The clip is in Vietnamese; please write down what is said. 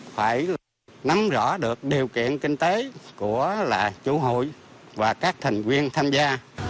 phải nắm rõ được điều kiện kinh tế của chủ hụi và các thành viên tham gia